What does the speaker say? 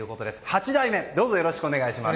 ８代目よろしくお願いします。